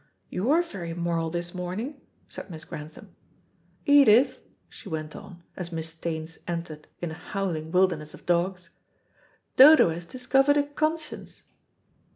"You're very moral this morning," said Miss Grantham. "Edith," she went on, as Miss Staines entered in a howling wilderness of dogs, "Dodo has discovered a conscience."